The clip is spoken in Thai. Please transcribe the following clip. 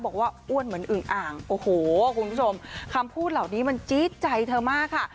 อ้วนเหมือนอึงอ่างโอ้โหคุณผู้ชมคำพูดเหล่านี้มันจี๊ดใจเธอมากค่ะ